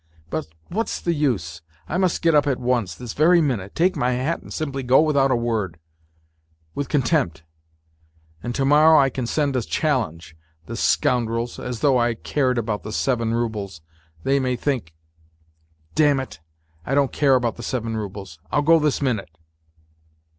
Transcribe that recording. ... But what's the use ! I must get up at once, this very minute, take my hat and simply go without a word ... with contempt ! And to morrow I can send a challenge. The scoundrels ! As though I cared about the seven roubles. They may think. ... Damn it ! I don't care about the seven roubles. I'll go this minute